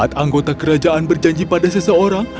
saat anggota kerajaan berjanji pada seseorang